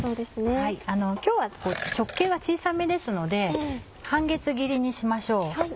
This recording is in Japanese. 今日は直径が小さめですので半月切りにしましょう。